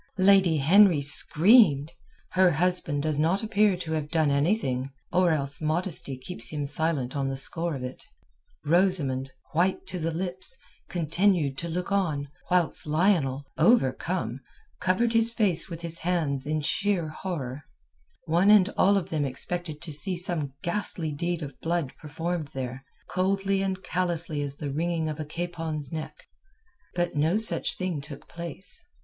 Lady Henry screamed; her husband does not appear to have done anything, or else modesty keeps him silent on the score of it. Rosamund, white to the lips, continued to look on, whilst Lionel, overcome, covered his face with his hands in sheer horror. One and all of them expected to see some ghastly deed of blood performed there, coldly and callously as the wringing of a capon's neck. But no such thing took place.